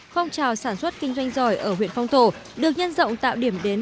phong trào sản xuất kinh doanh giỏi ở huyện phong thổ được nhân rộng tạo điểm đến